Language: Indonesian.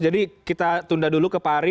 jadi kita tunda dulu ke pak ari